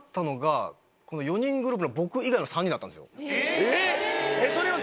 えっ！